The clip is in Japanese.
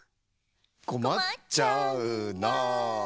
「こまっちゃうな」